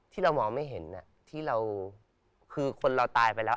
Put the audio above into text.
ที่เรามองไม่เห็นที่เราคือคนเราตายไปแล้ว